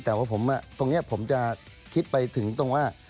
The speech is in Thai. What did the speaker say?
แต่ว่าตรงนี้ผมจะคิดไปถึงตรงว่า